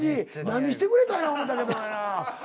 何してくれたんや思うたけどもやな。